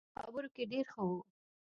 خبرو کې ډېر ښه وو.